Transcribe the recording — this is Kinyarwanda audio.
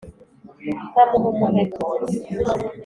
nkamuha umuheto?"